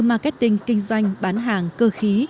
marketing kinh doanh bán hàng cơ khí